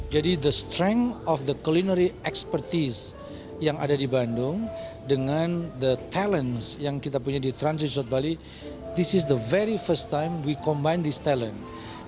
jadi kekuatan ekspertis yang ada di bandung dengan talenta yang kita punya di trans jusuf bali ini adalah pertama kalinya kami menggabungkan talenta ini